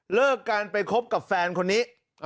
เลิกกันไปคบกับแฟนคนนี้